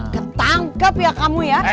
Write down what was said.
ketangkep ya kamu ya